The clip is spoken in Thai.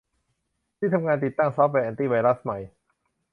ที่ทำงานติดตั้งซอฟต์แวร์แอนตี้ไวรัสใหม่